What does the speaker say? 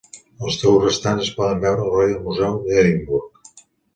Els taüts restants es poden veure al Royal Museum d'Edimburg.